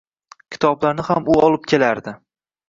Kitoblarni ham u olib kelardi.